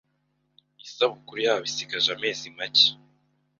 Isabukuru yabo isigaje amezi make